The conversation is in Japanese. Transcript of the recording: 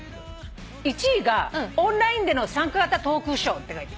１位が「オンラインでの参加型トークショー」って。